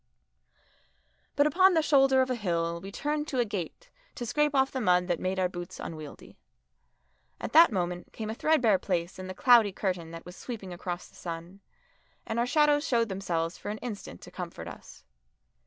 But upon the shoulder of a hill we turned to a gate to scrape off the mud that made our boots unwieldy. At that moment came a threadbare place in the cloudy curtain that was sweeping across the sun, and our shadows showed themselves for an instant to comfort us.